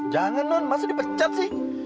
jangan non masih dipecat sih